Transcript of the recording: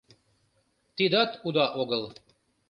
Тидат уда огыл.